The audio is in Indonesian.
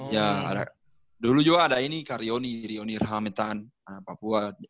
ya ada dulu juga ada ini kak rioni rioni rahametan anak papua